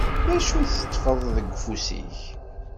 D acu i teṭṭfeḍ deg ufus-ik?